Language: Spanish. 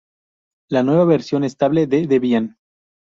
la nueva versión estable de Debian